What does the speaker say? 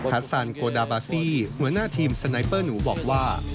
ัสซานโกดาบาซี่หัวหน้าทีมสไนเปอร์หนูบอกว่า